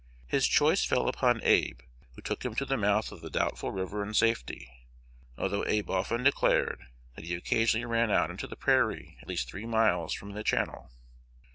His choice fell upon Abe, who took him to the mouth of the doubtful river in safety, although Abe often declared that he occasionally ran out into the prairie at least three miles from the channel.